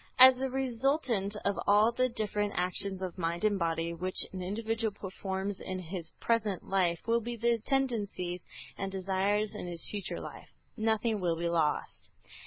As a resultant of all the different actions of mind and body which an individual performs in his present life, will be the tendencies and desires in his future life; nothing will be lost.